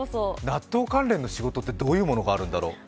納豆関連の仕事ってどういうものがあるんだろ？